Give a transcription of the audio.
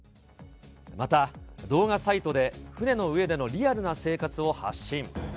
また、動画サイトで船の上でのリアルな生活を発信。